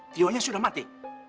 tionya sudah mati